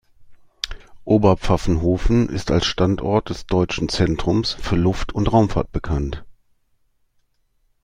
Oberpfaffenhofen ist als Standort des Deutschen Zentrums für Luft- und Raumfahrt bekannt.